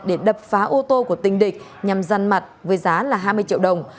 để đập phá ô tô của tình địch nhằm răn mặt với giá là hai mươi triệu đồng